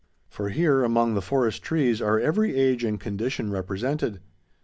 For here, among the forest trees, are every age and condition represented.